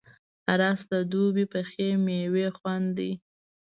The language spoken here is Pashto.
رس د دوبی پخې میوې خوند دی